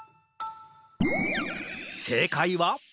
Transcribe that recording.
せいかいは？